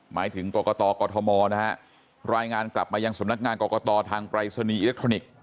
หมายถึงกรกตกรทมนะฮะรายงานกลับมายังสำนักงานกรกตทางปรายศนีย์อิเล็กทรอนิกส์